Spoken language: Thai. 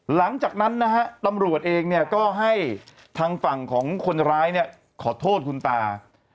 หลังจากนั้นนะฮะตำรวจเองเนี่ยก็ให้ทางฝั่งของคนร้ายเนี่ยขอโทษคุณตา